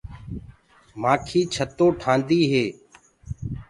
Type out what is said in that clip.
مآکي ڇتو ٺهآندي هي۔